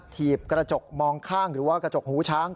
ถีบกระจกมองข้างหรือว่ากระจกหูช้าง